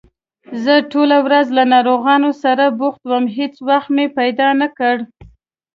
زه ټوله ورځ له ناروغانو سره بوخت وم، هېڅ وخت مې پیدا نکړ